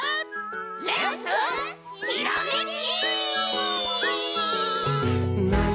レッツひらめき！